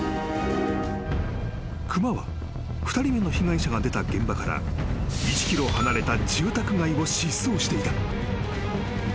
［熊は２人目の被害者が出た現場から１ｋｍ離れた住宅街を疾走していた］